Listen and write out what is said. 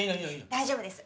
大丈夫です。